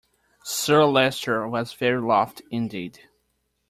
Sir Leicester was very lofty indeed.